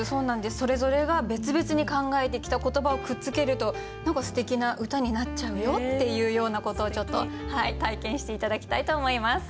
それぞれが別々に考えてきた言葉をくっつけると何かすてきな歌になっちゃうよっていうようなことをちょっと体験して頂きたいと思います。